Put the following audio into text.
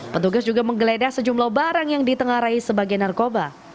petugas juga menggeledah sejumlah barang yang ditengarai sebagai narkoba